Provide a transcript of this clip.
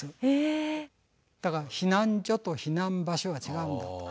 だから避難所と避難場所は違うんだと。